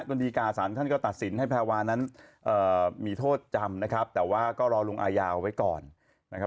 ดีกาสารท่านก็ตัดสินให้แพรวานั้นมีโทษจำนะครับแต่ว่าก็รอลงอายาเอาไว้ก่อนนะครับ